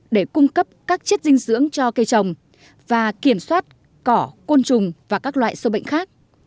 để cung cấp các chất dinh dưỡng cho cây trồng và kiểm soát cỏ côn trùng và các loại sâu bệnh khác